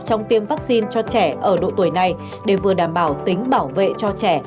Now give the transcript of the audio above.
trong tiêm vaccine cho trẻ ở độ tuổi này để vừa đảm bảo tính bảo vệ cho trẻ